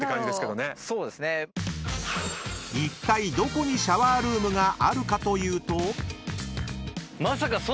［いったいどこにシャワールームがあるかというと］